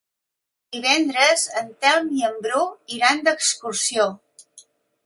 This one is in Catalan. Divendres en Telm i en Bru iran d'excursió.